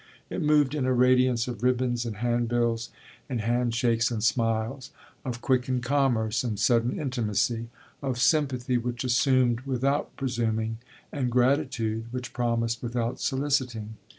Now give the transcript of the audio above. It moved in a radiance of ribbons and hand bills and hand shakes and smiles; of quickened commerce and sudden intimacy; of sympathy which assumed without presuming and gratitude which promised without soliciting.